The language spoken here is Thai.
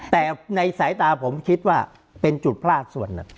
แต่ในสายตาผมคิดว่าเป็นจุดพลาดส่วน